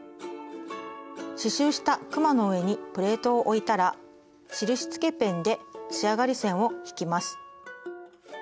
刺しゅうしたくまの上にプレートを置いたら印つけペンで仕上がり線を引きます。